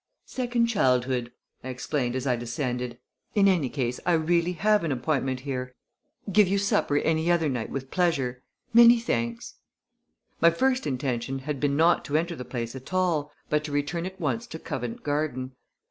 "Second childhood!" I explained as I descended. "In any case I really have an appointment here. Give you supper any other night with pleasure. Many thanks!" My first intention had been not to enter the place at all, but to return at once to Covent Garden.